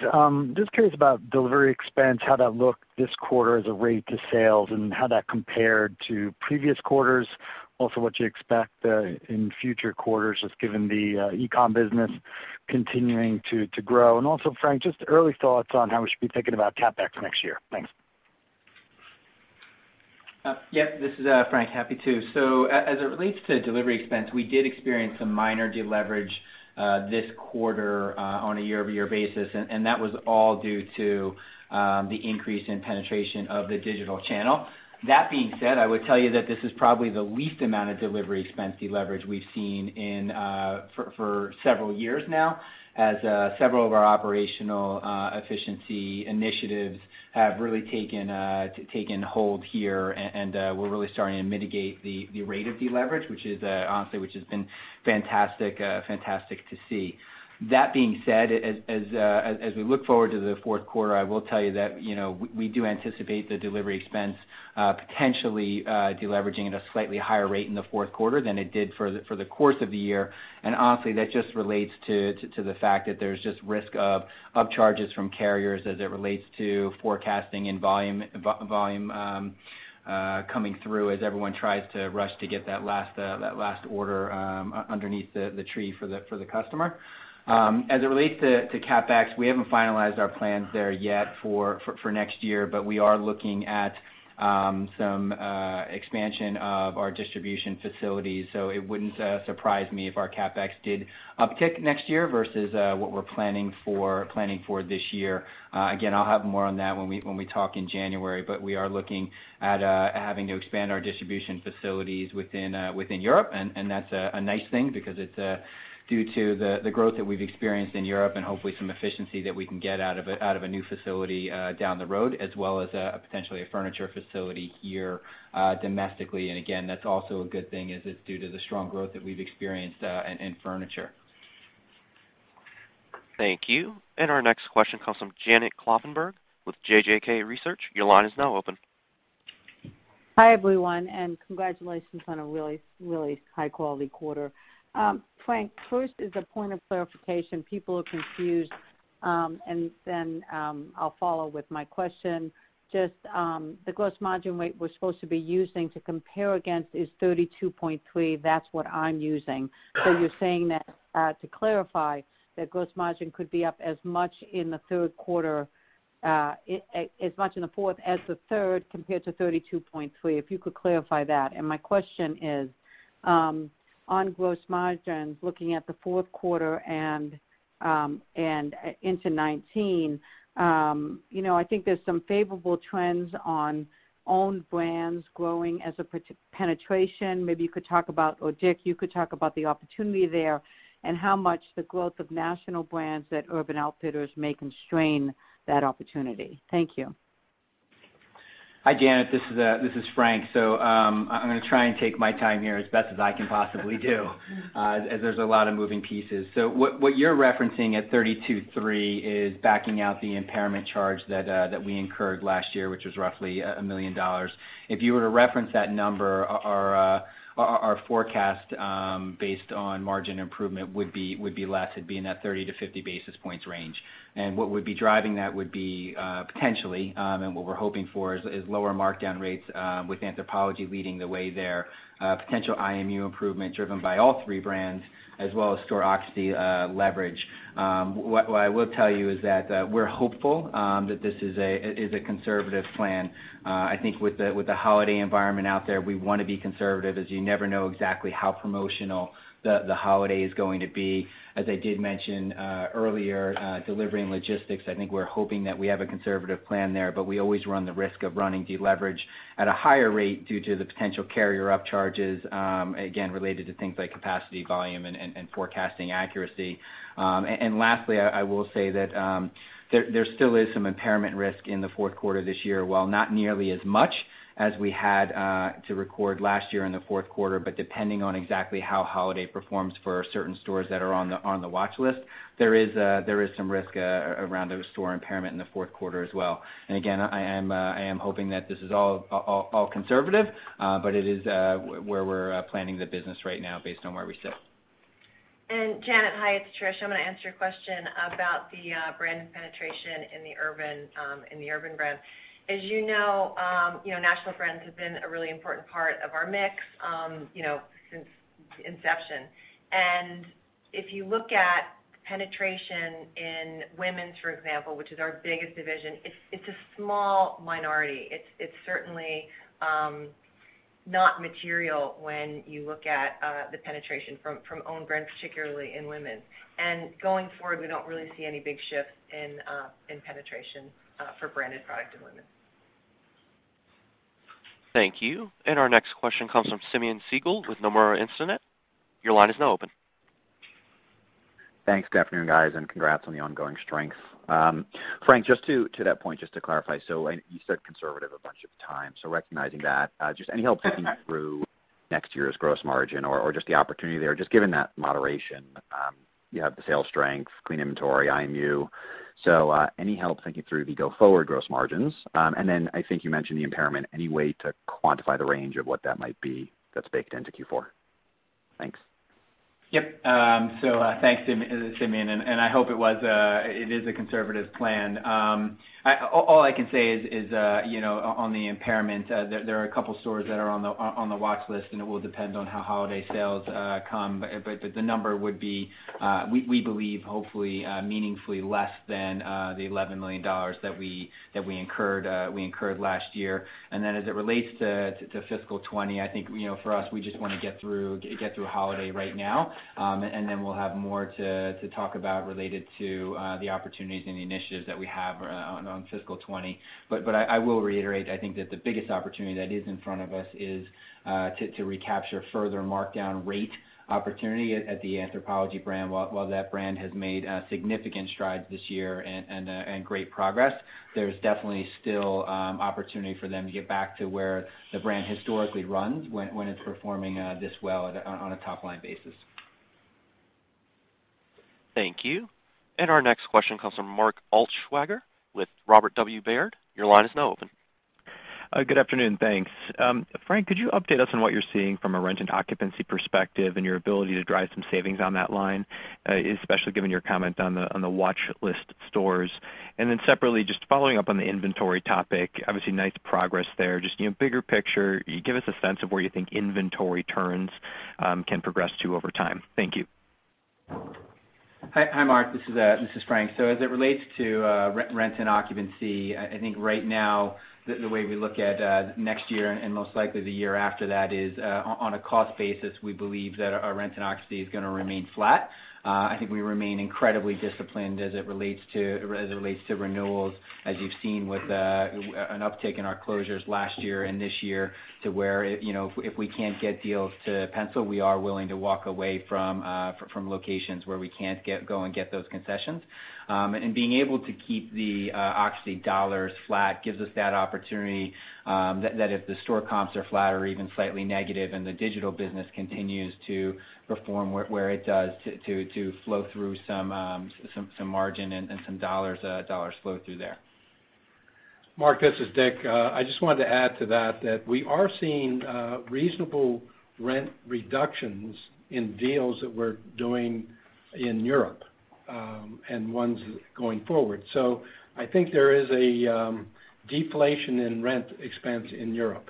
K: Just curious about delivery expense, how that looked this quarter as a rate to sales, and how that compared to previous quarters. What you expect in future quarters, just given the e-com business continuing to grow. Frank, just early thoughts on how we should be thinking about CapEx next year. Thanks.
C: Yes. This is Frank, happy to. As it relates to delivery expense, we did experience some minor deleverage this quarter on a year-over-year basis, that was all due to the increase in penetration of the digital channel. That being said, I would tell you that this is probably the least amount of delivery expense deleverage we've seen for several years now, as several of our operational efficiency initiatives have really taken hold here, we're really starting to mitigate the rate of deleverage, which honestly, has been fantastic to see. That being said, as we look forward to the fourth quarter, I will tell you that we do anticipate the delivery expense potentially deleveraging at a slightly higher rate in the fourth quarter than it did for the course of the year. Honestly, that just relates to the fact that there's just risk of upcharges from carriers as it relates to forecasting and volume coming through as everyone tries to rush to get that last order underneath the tree for the customer. As it relates to CapEx, we haven't finalized our plans there yet for next year, we are looking at some expansion of our distribution facilities, it wouldn't surprise me if our CapEx did uptick next year versus what we're planning for this year. Again, I'll have more on that when we talk in January, we are looking at having to expand our distribution facilities within Europe, that's a nice thing because it's due to the growth that we've experienced in Europe, hopefully some efficiency that we can get out of a new facility down the road, as well as potentially a furniture facility here domestically. Again, that's also a good thing as it's due to the strong growth that we've experienced in furniture.
A: Thank you. Our next question comes from Janet Kloppenburg with JJK Research. Your line is now open.
L: Hi, everyone, and congratulations on a really high-quality quarter. Frank, first is a point of clarification. People are confused. I'll follow with my question. The gross margin rate we're supposed to be using to compare against is 32.3. That's what I'm using. You're saying that, to clarify, that gross margin could be up as much in the fourth as the third compared to 32.3. If you could clarify that. My question is, on gross margins, looking at the fourth quarter and into FY 2019, I think there's some favorable trends on owned brands growing as a penetration. Maybe you could talk about, or Dick, you could talk about the opportunity there, and how much the growth of national brands at Urban Outfitters may constrain that opportunity. Thank you.
C: Hi, Janet. This is Frank. I'm going to try and take my time here as best as I can possibly do, as there's a lot of moving pieces. What you're referencing at 32.3 is backing out the impairment charge that we incurred last year, which was roughly $1 million. If you were to reference that number, our forecast based on margin improvement would be less. It'd be in that 30 to 50 basis points range. What would be driving that would be potentially, and what we're hoping for, is lower markdown rates with Anthropologie leading the way there. Potential IMU improvement driven by all three brands, as well as store occupancy leverage. What I will tell you is that we're hopeful that this is a conservative plan. I think with the holiday environment out there, we want to be conservative, as you never know exactly how promotional the holiday is going to be. As I did mention earlier, delivery and logistics, I think we're hoping that we have a conservative plan there, but we always run the risk of running deleverage at a higher rate due to the potential carrier upcharges, again, related to things like capacity, volume, and forecasting accuracy. Lastly, I will say that there still is some impairment risk in the fourth quarter this year, while not nearly as much as we had to record last year in the fourth quarter. Depending on exactly how holiday performs for certain stores that are on the watch list, there is some risk around those store impairment in the fourth quarter as well. Again, I am hoping that this is all conservative, but it is where we're planning the business right now based on where we sit.
M: Janet, hi, it's Trish. I'm going to answer your question about the brand penetration in the Urban Outfitters brand. As you know, National Brands has been a really important part of our mix since inception. If you look at penetration in women's, for example, which is our biggest division, it's a small minority. It's certainly not material when you look at the penetration from own brands, particularly in women's. Going forward, we don't really see any big shifts in penetration for branded product in women's.
A: Thank you. Our next question comes from Simeon Siegel with Nomura Instinet. Your line is now open.
N: Thanks. Good afternoon, guys, congrats on the ongoing strength. Frank, just to that point, just to clarify, you said conservative a bunch of times. Recognizing that, just any help thinking through next year's gross margin or just the opportunity there, just given that moderation. You have the sales strength, clean inventory, IMU. Any help thinking through the go-forward gross margins? Then I think you mentioned the impairment. Any way to quantify the range of what that might be that's baked into Q4? Thanks.
C: Yep. Thanks, Simeon, I hope it is a conservative plan. All I can say is on the impairment, there are a couple stores that are on the watch list, it will depend on how holiday sales come, but the number would be, we believe, hopefully meaningfully less than the $11 million that we incurred last year. Then as it relates to fiscal 2020, I think, for us, we just want to get through holiday right now. Then we'll have more to talk about related to the opportunities and the initiatives that we have on fiscal 2020. I will reiterate, I think that the biggest opportunity that is in front of us is to recapture further markdown rate opportunity at the Anthropologie brand. While that brand has made significant strides this year and great progress, there's definitely still opportunity for them to get back to where the brand historically runs when it's performing this well on a top-line basis.
A: Thank you. Our next question comes from Mark Altschwager with Robert W. Baird. Your line is now open.
O: Good afternoon, Thanks. Frank, could you update us on what you're seeing from a rent and occupancy perspective and your ability to drive some savings on that line, especially given your comment on the watch list stores? Then separately, just following up on the inventory topic, obviously nice progress there. Just bigger picture, give us a sense of where you think inventory turns can progress to over time. Thank you.
C: Hi, Mark. This is Frank. As it relates to rent and occupancy, I think right now, the way we look at next year and most likely the year after that is on a cost basis, we believe that our rent and occupancy is going to remain flat. I think we remain incredibly disciplined as it relates to renewals, as you've seen with an uptick in our closures last year and this year to where, if we can't get deals to pencil, we are willing to walk away from locations where we can't go and get those concessions. Being able to keep the occupancy dollars flat gives us that opportunity that if the store comps are flat or even slightly negative and the digital business continues to perform where it does to flow through some margin and some dollars flow through there.
E: Mark, this is Dick. I just wanted to add to that we are seeing reasonable rent reductions in deals that we're doing in Europe, and ones going forward. I think there is a deflation in rent expense in Europe.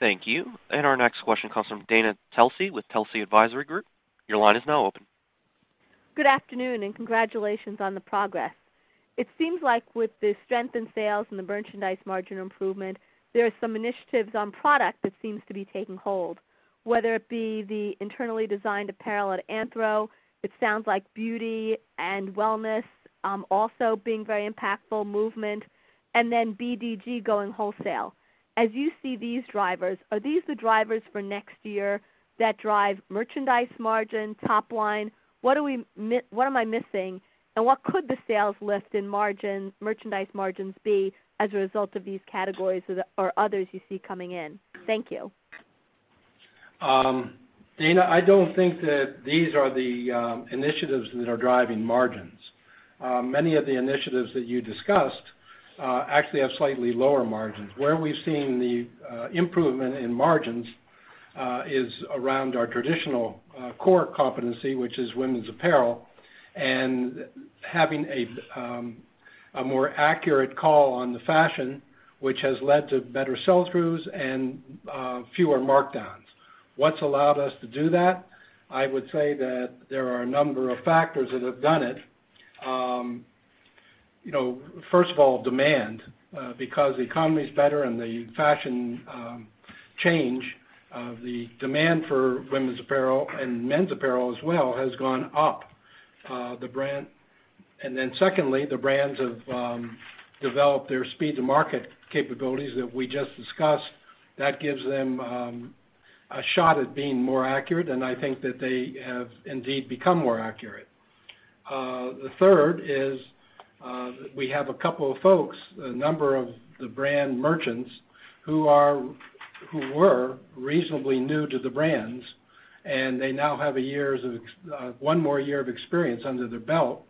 A: Thank you. Our next question comes from Dana Telsey with Telsey Advisory Group. Your line is now open.
P: Good afternoon, congratulations on the progress. It seems like with the strength in sales and the merchandise margin improvement, there are some initiatives on product that seems to be taking hold, whether it be the internally designed apparel at Anthro. It sounds like beauty and wellness also being very impactful, FP Movement, and then BDG going wholesale. As you see these drivers, are these the drivers for next year that drive merchandise margin, top line? What am I missing? What could the sales lift in merchandise margins be as a result of these categories or others you see coming in? Thank you.
E: Dana, I don't think that these are the initiatives that are driving margins. Many of the initiatives that you discussed actually have slightly lower margins. Where we've seen the improvement in margins is around our traditional core competency, which is women's apparel, and having a more accurate call on the fashion, which has led to better sell-throughs and fewer markdowns. What's allowed us to do that? I would say that there are a number of factors that have done it. First of all, demand, because the economy's better and the fashion change, the demand for women's apparel and men's apparel as well has gone up. Secondly, the brands have developed their speed to market capabilities that we just discussed. That gives them a shot at being more accurate, and I think that they have indeed become more accurate. The third is we have a couple of folks, a number of the brand merchants who were reasonably new to the brands, and they now have one more year of experience under their belt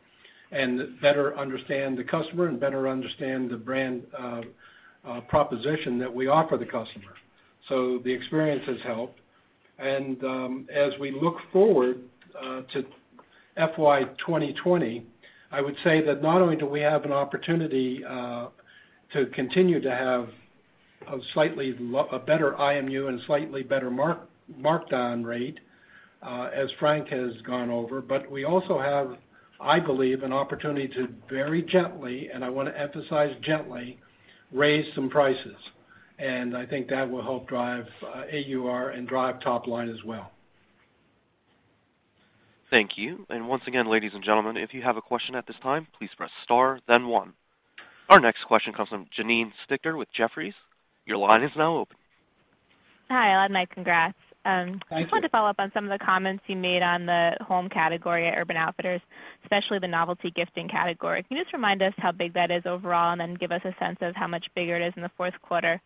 E: and better understand the customer and better understand the brand proposition that we offer the customer. The experience has helped. As we look forward to FY 2020, I would say that not only do we have an opportunity to continue to have a slightly better IMU and slightly better markdown rate, as Frank has gone over, but we also have, I believe, an opportunity to very gently, and I want to emphasize gently, raise some prices. I think that will help drive AUR and drive top line as well.
A: Thank you. Once again, ladies and gentlemen, if you have a question at this time, please press star then one. Our next question comes from Janine Stichter with Jefferies. Your line is now open.
Q: Hi, Alan. My congrats.
E: Thank you.
Q: Just wanted to follow up on some of the comments you made on the home category at Urban Outfitters, especially the novelty gifting category. Can you just remind us how big that is overall and then give us a sense of how much bigger it is in the fourth quarter?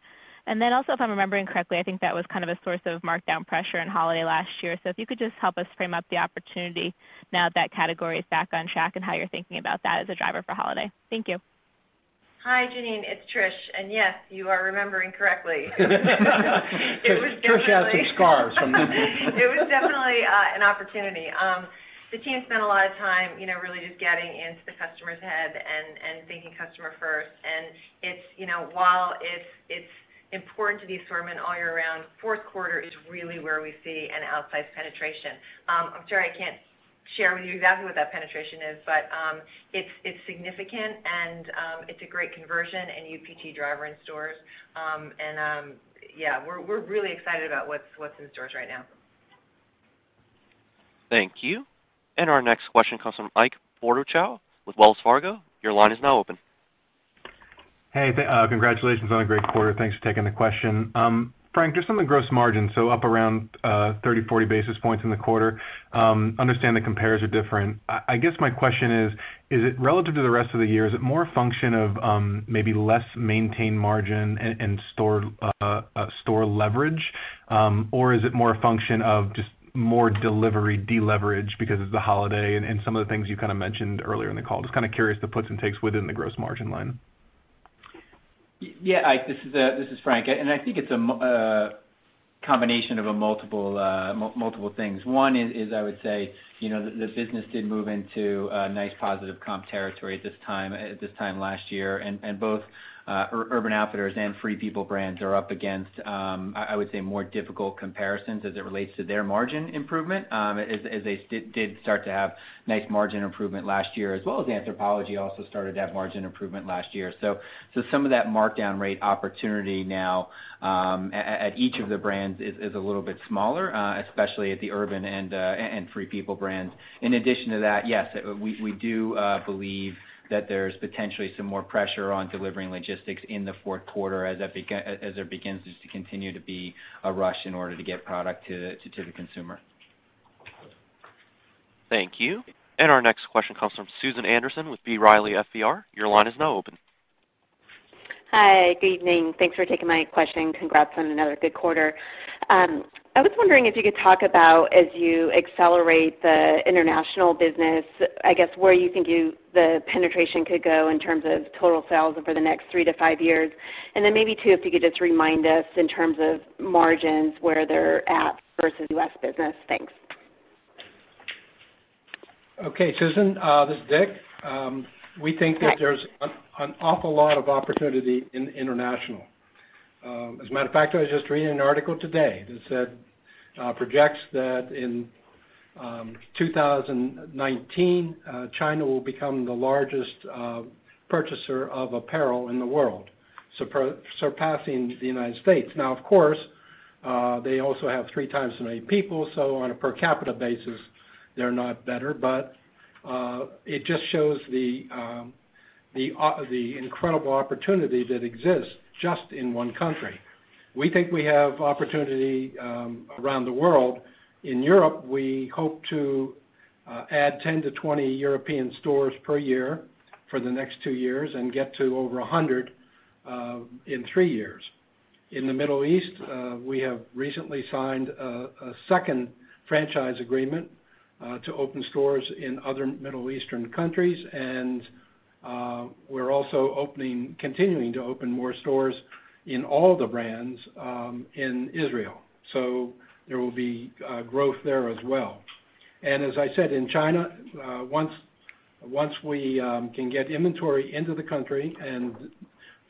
Q: Also, if I'm remembering correctly, I think that was a source of markdown pressure in holiday last year. If you could just help us frame up the opportunity now that category is back on track and how you're thinking about that as a driver for holiday. Thank you.
M: Hi, Janine. It's Trish. Yes, you are remembering correctly.
E: Trish has some scars from that.
M: It was definitely an opportunity. The team spent a lot of time really just getting into the customer's head and thinking customer first. While it's important to the assortment all year round, fourth quarter is really where we see an outsized penetration. I'm sure I can't share with you exactly what that penetration is, but it's significant, and it's a great conversion and UPT driver in stores. Yeah, we're really excited about what's in stores right now.
A: Thank you. Our next question comes from Ike Boruchow with Wells Fargo. Your line is now open.
R: Hey, congratulations on a great quarter. Thanks for taking the question. Frank, just on the gross margin, up around 30, 40 basis points in the quarter. Understand the compares are different. I guess my question is it relative to the rest of the year, is it more a function of maybe less maintained margin and store leverage? Is it more a function of just more delivery de-leverage because of the holiday and some of the things you mentioned earlier in the call? Just kind of curious, the puts and takes within the gross margin line.
C: Yeah, Ike, this is Frank. I think it's a combination of multiple things. One is, I would say, the business did move into a nice positive comp territory at this time last year. Both Urban Outfitters and Free People brands are up against, I would say, more difficult comparisons as it relates to their margin improvement, as they did start to have nice margin improvement last year, as well as Anthropologie also started to have margin improvement last year. Some of that markdown rate opportunity now at each of the brands is a little bit smaller, especially at the Urban and Free People brands. In addition to that, yes, we do believe that there's potentially some more pressure on delivering logistics in the fourth quarter as there begins just to continue to be a rush in order to get product to the consumer.
A: Thank you. Our next question comes from Susan Anderson with B. Riley FBR. Your line is now open.
S: Hi, good evening. Thanks for taking my question. Congrats on another good quarter. I was wondering if you could talk about as you accelerate the international business, I guess, where you think the penetration could go in terms of total sales over the next three to five years. Then maybe, too, if you could just remind us in terms of margins, where they're at versus U.S. business. Thanks.
E: Okay, Susan, this is Dick. We think that there's an awful lot of opportunity in international. As a matter of fact, I was just reading an article today that projects that in 2019, China will become the largest purchaser of apparel in the world, surpassing the United States. Of course, they also have three times as many people, so on a per capita basis, they're not better. It just shows the incredible opportunity that exists just in one country. We think we have opportunity around the world. In Europe, we hope to add 10 to 20 European stores per year for the next two years and get to over 100 in three years. In the Middle East, we have recently signed a second franchise agreement to open stores in other Middle Eastern countries. We're also continuing to open more stores in all the brands in Israel. There will be growth there as well. As I said, in China, once we can get inventory into the country and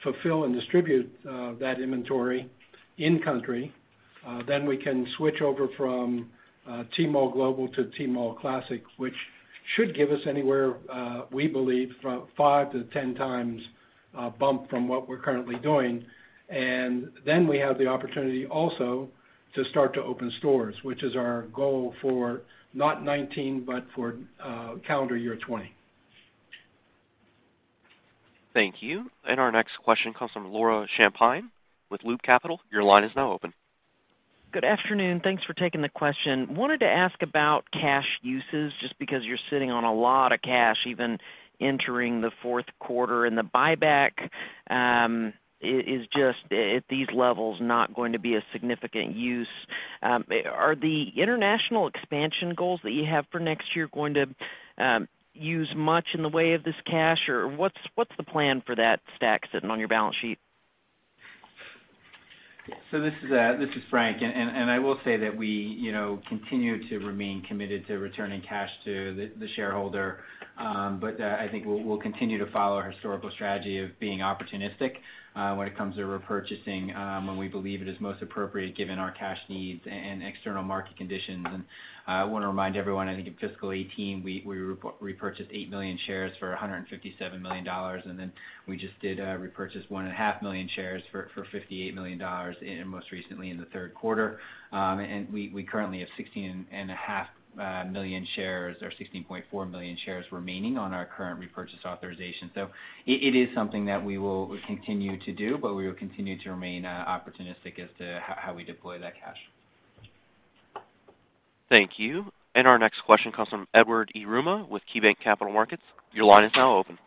E: fulfill and distribute that inventory in country, then we can switch over from Tmall Global to Tmall Classic, which should give us anywhere, we believe, 5 to 10 times bump from what we're currently doing. Then we have the opportunity also to start to open stores, which is our goal for not 2019, but for calendar year 2020.
A: Thank you. Our next question comes from Laura Champine with Loop Capital. Your line is now open.
T: Good afternoon. Thanks for taking the question. Wanted to ask about cash uses, just because you're sitting on a lot of cash even entering the fourth quarter. The buyback is, at these levels, not going to be a significant use. Are the international expansion goals that you have for next year going to use much in the way of this cash, or what's the plan for that stack sitting on your balance sheet?
C: This is Frank. I will say that we continue to remain committed to returning cash to the shareholder. I think we'll continue to follow our historical strategy of being opportunistic when it comes to repurchasing when we believe it is most appropriate given our cash needs and external market conditions. I want to remind everyone, I think in FY 2018, we repurchased 8 million shares for $157 million, and then we just did repurchase 1.5 million shares for $58 million most recently in the third quarter. We currently have 16.5 million shares or 16.4 million shares remaining on our current repurchase authorization. It is something that we will continue to do, but we will continue to remain opportunistic as to how we deploy that cash.
A: Thank you. Our next question comes from Edward Yruma with KeyBanc Capital Markets. Your line is now open.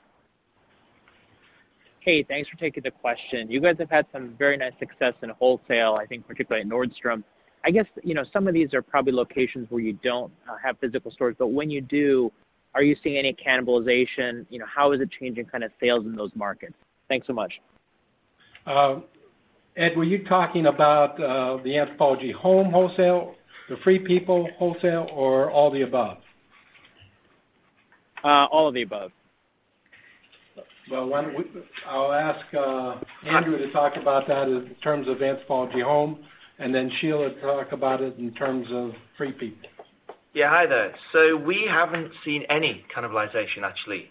U: Hey, thanks for taking the question. You guys have had some very nice success in wholesale, I think particularly at Nordstrom. Some of these are probably locations where you don't have physical stores, but when you do, are you seeing any cannibalization? How is it changing sales in those markets? Thanks so much.
E: Ed, were you talking about the Anthropologie Home wholesale, the Free People wholesale, or all the above?
U: All of the above.
E: Well, I'll ask Andrew to talk about that in terms of Anthropologie Home, and then Sheila to talk about it in terms of Free People.
V: Yeah, hi there. We haven't seen any cannibalization actually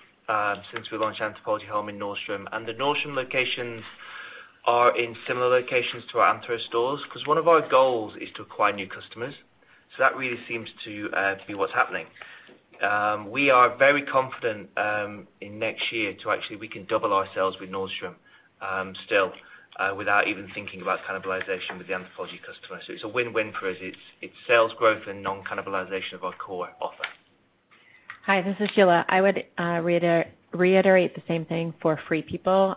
V: since we launched Anthropologie Home in Nordstrom. The Nordstrom locations are in similar locations to our Anthro stores because one of our goals is to acquire new customers. That really seems to be what's happening. We are very confident in next year to actually we can double our sales with Nordstrom still without even thinking about cannibalization with the Anthropologie customer. It's a win-win for us. It's sales growth and non-cannibalization of our core offer.
D: Hi, this is Sheila. I would reiterate the same thing for Free People.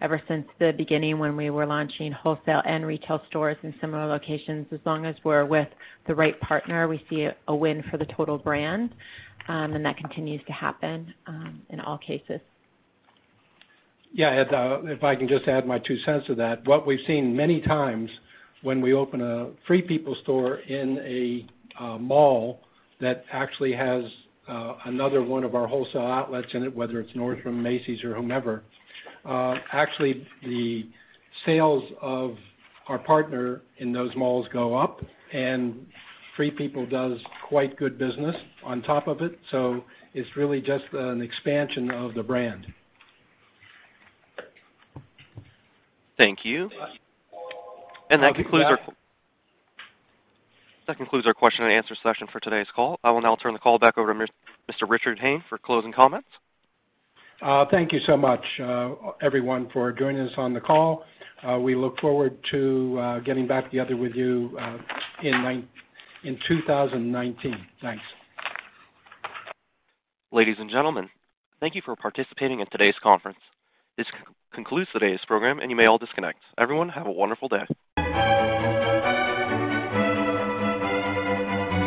D: Ever since the beginning when we were launching wholesale and retail stores in similar locations, as long as we're with the right partner, we see a win for the total brand, and that continues to happen in all cases.
E: Yeah, Ed, if I can just add my two cents to that. What we've seen many times when we open a Free People store in a mall that actually has another one of our wholesale outlets in it, whether it's Nordstrom, Macy's or whomever, actually the sales of our partner in those malls go up, and Free People does quite good business on top of it. It's really just an expansion of the brand.
A: Thank you. That concludes our question and answer session for today's call. I will now turn the call back over to Mr. Richard Hayne for closing comments.
E: Thank you so much everyone for joining us on the call. We look forward to getting back together with you in 2019. Thanks.
A: Ladies and gentlemen, thank you for participating in today's conference. This concludes today's program, and you may all disconnect. Everyone, have a wonderful day.